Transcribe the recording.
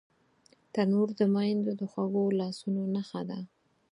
تنور د میندو د خوږو لاسونو نښه ده